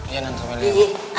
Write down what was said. ya nanti aku melihat